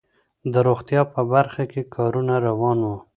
د روغتيا په برخه کي کارونه روان وو.